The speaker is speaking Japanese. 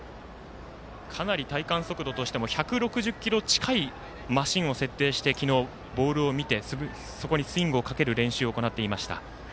かなり体感速度としても１６０キロ近いマシーンを設定してボールを見て、スイングをかける練習を行っていました。